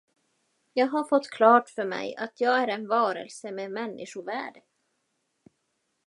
Jag har fått klart för mig, att jag är en varelse med människovärde.